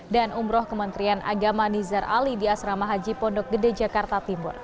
dan umroh kementrian agama nizar ali di asrama haji pondok gede jakarta timur